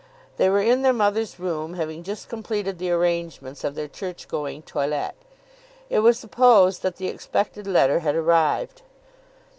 They were in their mother's room, having just completed the arrangements of their church going toilet. It was supposed that the expected letter had arrived.